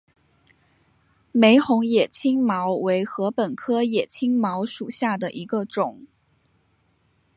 玫红野青茅为禾本科野青茅属下的一个种。